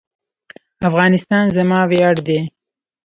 افغانستان زما ویاړ دی؟